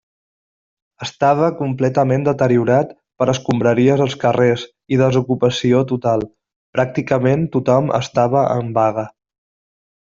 Estava completament deteriorat per escombraries als carrers i desocupació total, pràcticament tothom estava en vaga.